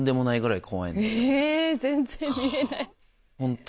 全然見えない。